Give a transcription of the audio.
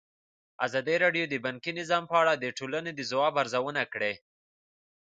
ازادي راډیو د بانکي نظام په اړه د ټولنې د ځواب ارزونه کړې.